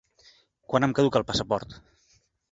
Quan em caduca el passaport?